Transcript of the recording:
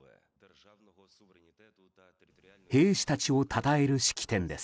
兵士たちをたたえる式典です。